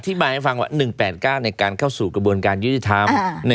บายให้ฟังว่า๑๘๙ในการเข้าสู่กระบวนการยุติธรรม